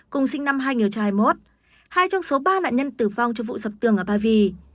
cùng sinh năm hai nghìn hai mươi một hai trong số ba nạn nhân tử vong trong vụ sập tường ở ba vì